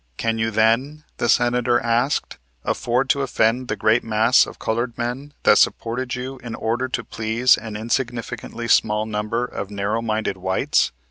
"Can you then," the Senator asked, "afford to offend the great mass of colored men that supported you in order to please an insignificantly small number of narrow minded whites?"